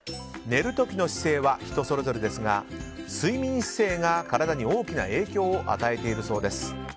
寝る時の姿勢は人それぞれですが睡眠姿勢が、体に大きな影響を与えているそうです。